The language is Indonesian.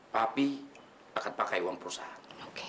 papi akan pakai uang perusahaan